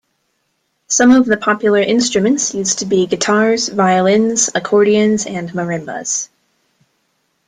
Some of the popular instruments used to be guitars, violins, accordions, and marimbas.